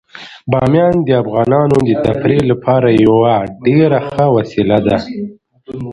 بامیان د افغانانو د تفریح لپاره یوه ډیره ښه وسیله ده.